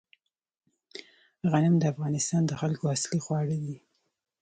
غنم د افغانستان د خلکو اصلي خواړه دي